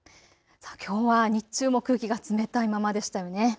きょうは日中も空気が冷たいままでしたよね。